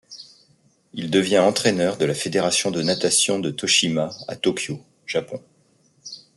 Il devient entraîneur de la Fédération de Natation de Toshima à Tokyo, Japon.